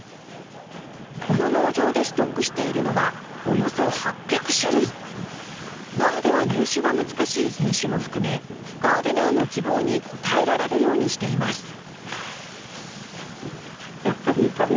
この農場でストックしているのは苗では入手が難しい品種も含めガーデナーの希望に応えられるようにしています。